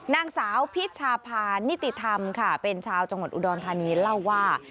นางสาวพิชชาพานิติธรรมค่ะเป็นชาวจังหวัดอุดรธานีเล่าว่า